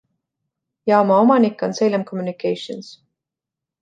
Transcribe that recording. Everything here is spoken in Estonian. Jaama omanik on Salem Communications.